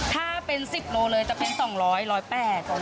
ถ้าเป็น๑๐โลเลยจะเป็น๒๐๐๑๐๘บาท